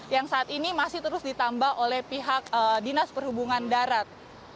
yang saat ini masih terus ditambah oleh pihak dinas perhubungan darat